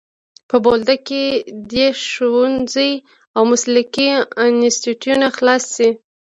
په بولدک کي دي ښوونځی او مسلکي انسټیټونه خلاص سي.